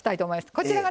こちらがね